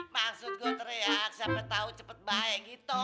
maksud gue teriak siapa tau cepet baya gitu